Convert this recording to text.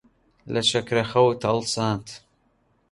لە شەکرەخەوت هەڵساند.